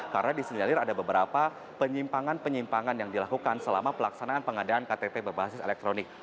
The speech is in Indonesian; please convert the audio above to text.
karena disenyalir ada beberapa penyimpangan penyimpangan yang dilakukan selama pelaksanaan pengadaan ktp berbasis elektronik